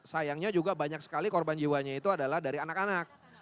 sayangnya juga banyak sekali korban jiwanya itu adalah dari anak anak